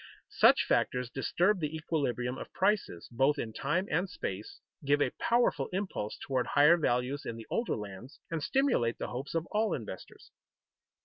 Such factors disturb the equilibrium of prices both in time and space, give a powerful impulse toward higher values in the older lands, and stimulate the hopes of all investors.